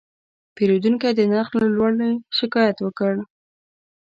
پیرودونکی د نرخ له لوړې شکایت وکړ.